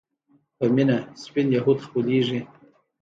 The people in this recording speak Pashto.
په مينه سپين يهود خپلېږي